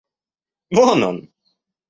Вон он!